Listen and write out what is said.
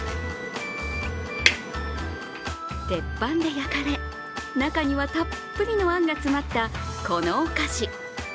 鉄板で焼かれ、中にはたっぷりのあんが詰まった、このお菓子。